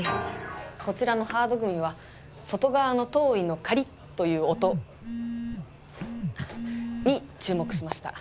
こちらのハードグミは外側の糖衣のカリッという音。に注目しました。